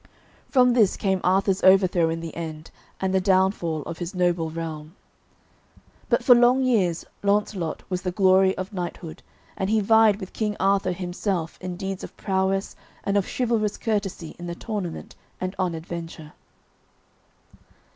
From this came Arthur's overthrow in the end, and the downfall of his noble realm. But for long years Launcelot was the glory of knighthood, and he vied with King Arthur himself in deeds of prowess and of chivalrous courtesy in the tournament and on adventure.